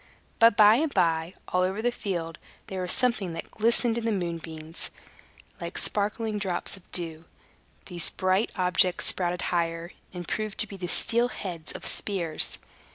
But by and by, all over the field, there was something that glistened in the moonbeams, like sparkling drops of dew. These bright objects sprouted higher, and proved to be the steel heads of spears.